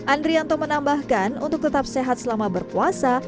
andrianto menambahkan untuk tetap sehat selama berpuasa